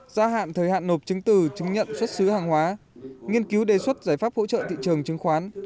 gia hạn thời hạn nộp chứng từ chứng nhận xuất xứ hàng hóa nghiên cứu đề xuất giải pháp hỗ trợ thị trường chứng khoán